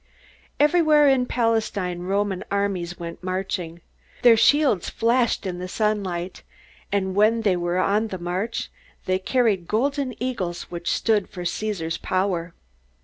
Everywhere in Palestine Roman armies went marching. Their shields flashed in the sunlight, and when they were on the march they carried golden eagles which stood for Caesar's power.